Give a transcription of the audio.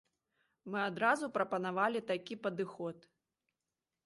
Мы адразу прапанавалі такі падыход.